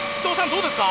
どうですか？